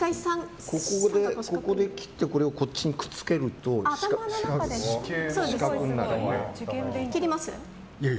ここで切ってこっちにくっつけると四角になる。